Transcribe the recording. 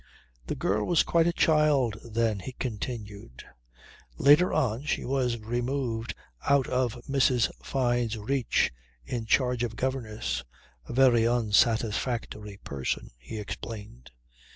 "The girl was quite a child then," he continued. "Later on she was removed out of Mrs. Fyne's reach in charge of a governess a very unsatisfactory person," he explained.